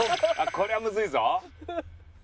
これはむずいぞ。